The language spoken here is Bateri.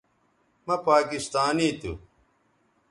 مہ پاکستانی تھو